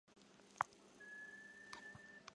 洛根镇区为美国堪萨斯州林肯县辖下的镇区。